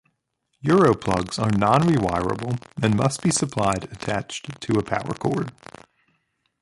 Europlugs are non-rewirable and must be supplied attached to a power cord.